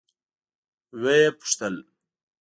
ويې پوښتل.